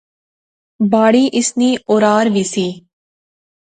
باڑی اس نی اورار وی سی